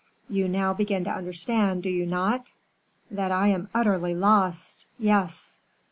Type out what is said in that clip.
"You now begin to understand, do you not?" "That I am utterly lost! yes."